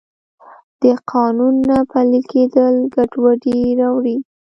د قانون نه پلی کیدل ګډوډي راوړي.